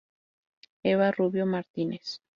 Eva Rubio Martínez.